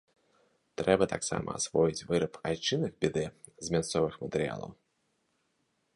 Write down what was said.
Трэба таксама асвоіць выраб айчынных бідэ з мясцовых матэрыялаў!